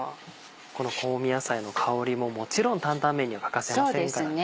この香味野菜の香りももちろん担々麺には欠かせませんからね。